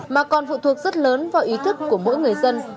mà còn phụ thuộc rất lớn vào công tác phòng chống dịch bệnh